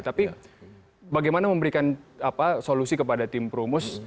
tapi bagaimana memberikan solusi kepada tim perumus